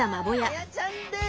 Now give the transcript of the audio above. ホヤちゃんです。